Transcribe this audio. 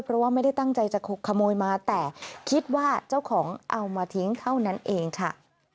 เพราะว่าไม่ได้ตั้งใจจะขโมยมาแต่คิดว่าเจ้าของเอามาทิ้งเท่านั้นเองค่ะ